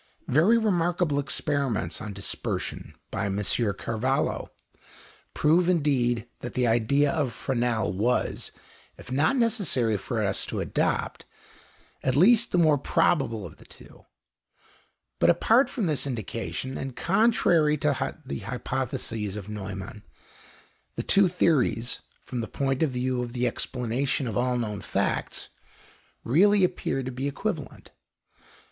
Very remarkable experiments on dispersion by M. Carvallo prove indeed that the idea of Fresnel was, if not necessary for us to adopt, at least the more probable of the two; but apart from this indication, and contrary to the hypothesis of Neumann, the two theories, from the point of view of the explanation of all known facts, really appear to be equivalent.